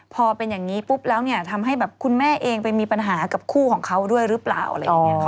พอเป็นอย่างนี้ปุ๊บแล้วเนี่ยทำให้แบบคุณแม่เองไปมีปัญหากับคู่ของเขาด้วยหรือเปล่าอะไรอย่างนี้ค่ะ